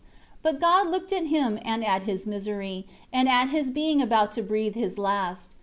12 But God looked at him and at his misery, and at his being about to breathe his last.